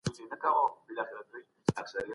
دغه کوچنی دونه تېز دی چي عقل یې نه مني.